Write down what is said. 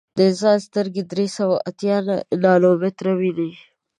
د انسان سترګې درې سوه اتیا نانومیټره ویني.